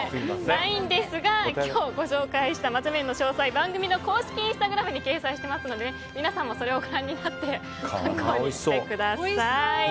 ないんですが、今日ご紹介したまぜ麺の詳細は番組の公式インスタグラムに掲載していますので皆さんもそれをご覧になって参考にしてください。